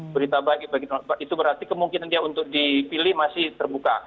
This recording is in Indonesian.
berita baik bagi donald trump itu berarti kemungkinan dia untuk dipilih masih terbuka